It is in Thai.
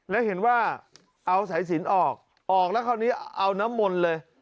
แล้วเห็นว่าเอาสายสินออกออกแล้วคราวนี้เอาน้ำมนต์เลย